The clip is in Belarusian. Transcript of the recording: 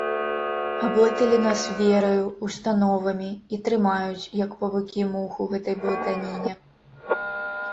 Аблыталі нас вераю, установамі і трымаюць, як павукі мух у гэтай блытаніне.